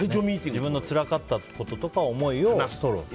自分のつらかったこととか思いを話すと。